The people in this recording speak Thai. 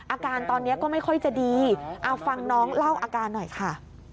อาการตอนนี้ก็ไม่ค่อยจะดีเอาฟังน้องเล่าอาการหน่อยค่ะ